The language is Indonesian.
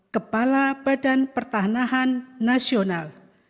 kepala badan pertahanan nasional